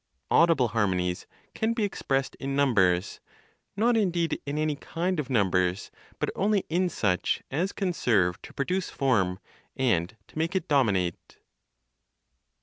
Audible harmonies can be expressed in numbers; not indeed in any kind of numbers, but only in such as can serve to produce form, and to make it dominate.